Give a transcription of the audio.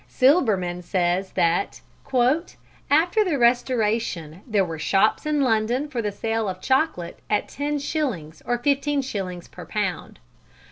Silbermann says that "After the Restoration there were shops in London for the sale of chocolate at ten shillings or fifteen shillings per pound.